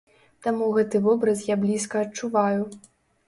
Таму гэты вобраз я блізка адчуваю.